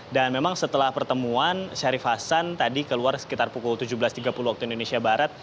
dan memang setelah pertemuan syarif hasan tadi keluar sekitar pukul tujuh belas tiga puluh waktu indonesia barat